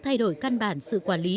thay đổi căn bản sự quản lý